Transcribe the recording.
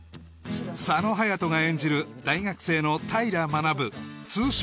佐野勇斗が演じる大学生の平学通称